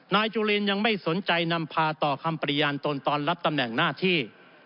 จุลินยังไม่สนใจนำพาต่อคำปริญญาณตนตอนรับตำแหน่งหน้าที่